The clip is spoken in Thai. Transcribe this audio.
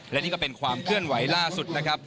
และนี่ก็เป็นความเคลื่อนไหวล่าสุดนะครับ